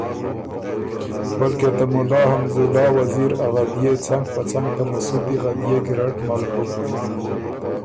بلکې ته مُلا حمزالله وزیر غدئے څنګ په څنګ ته مسُدی غدئے ګیرډ مل بُک۔